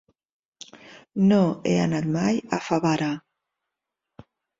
No he anat mai a Favara.